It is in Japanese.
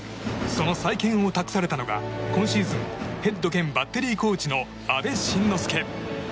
その再建を託されたのが今シーズンヘッド兼バッテリーコーチの阿部慎之助。